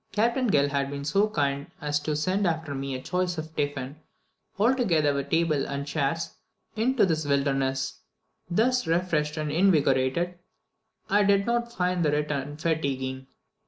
Captain Gill had been so kind as to send after me a choice tiffen, together with table and chairs, into this wilderness. Thus refreshed and invigorated, I did not find the return fatiguing.